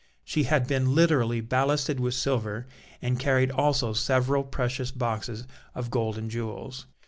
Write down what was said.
She had been literally ballasted with silver, and carried also several precious boxes of gold and jewels.